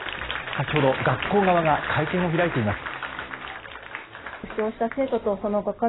先ほど学校側が会見を開いています。